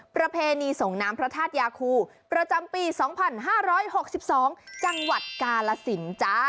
ประเพณีส่งน้ำพระธาตุยาคูประจำปี๒๕๖๒จังหวัดกาลสินจ้า